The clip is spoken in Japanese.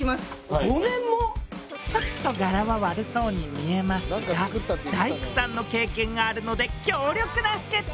ちょっとガラは悪そうに見えますが大工さんの経験があるので強力な助っ人に。